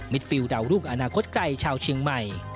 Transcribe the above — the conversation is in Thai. มิดฟิวดาวลูกอนาคตไกลชาวเชียงใหม่